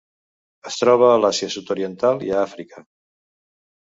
Es troba a l'Àsia Sud-oriental i a Àfrica.